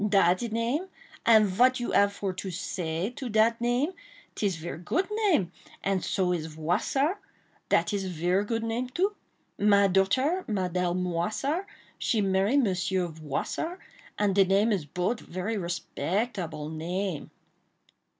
"Dat name! and vat you ave for say to dat name? 'Tis ver goot name; and so is Voissart—dat is ver goot name too. My daughter, Mademoiselle Moissart, she marry von Monsieur Voissart,—and de name is bot ver respectable name."